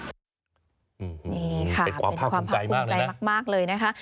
นี่ค่ะเป็นความภาคภูมิใจมากเลยนะคะ